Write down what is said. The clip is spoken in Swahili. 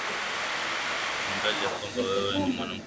na mbali ya kwamba wewe ni mwanamke umri